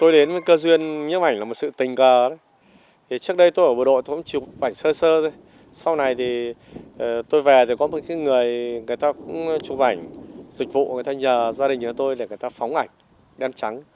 dịch vụ người ta nhờ gia đình nhà tôi để người ta phóng ảnh đen trắng